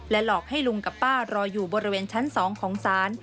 หลอกให้ลุงกับป้ารออยู่บริเวณชั้น๒ของศาล